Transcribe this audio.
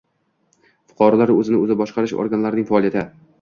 Fuqarolar o'zini o'zi boshqarish organlarining faoliyati